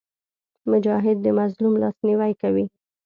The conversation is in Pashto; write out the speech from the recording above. مجاهد د مظلوم لاسنیوی کوي.